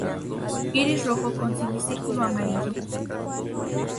Iris rojo con semicírculo amarillo.